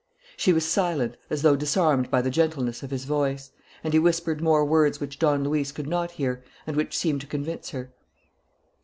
She was silent, as though disarmed by the gentleness of his voice; and he whispered more words which Don Luis could not hear and which seemed to convince her.